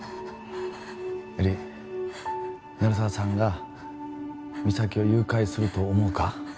絵里鳴沢さんが実咲を誘拐すると思うか？